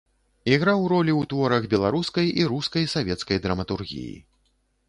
Іграў ролі ў творах беларускай і рускай савецкай драматургіі.